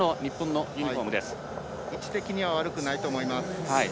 位置的には悪くないと思います。